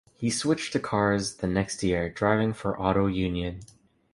He switched to cars the next year, driving for Auto Union.